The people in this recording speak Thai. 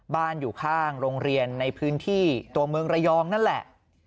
อยู่ข้างโรงเรียนในพื้นที่ตัวเมืองระยองนั่นแหละ